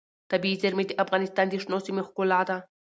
طبیعي زیرمې د افغانستان د شنو سیمو ښکلا ده.